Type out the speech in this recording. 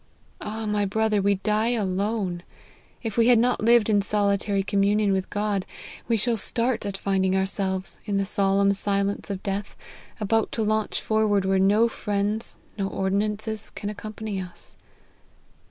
Ah, my brother, we die alone. If we have not lived in solitary communion with God, we shall start at finding ourselves, in the solemn silence of death, about to launch forward where no friends, no ordi nances, can accompany us."